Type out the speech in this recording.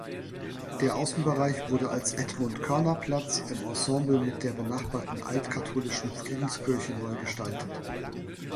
Der Außenbereich wurde als "Edmund-Körner-Platz" im Ensemble mit der benachbarten Altkatholischen Friedenskirche neu gestaltet.